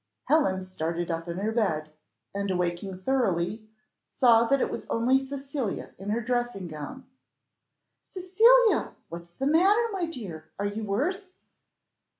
Helen started up in her bed, and awaking thoroughly, saw that it was only Cecilia in her dressing gown. "Cecilia! What's the matter, my dear? are you worse?"